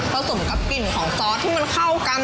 สมกับกลิ่นของซอสที่มันเข้ากัน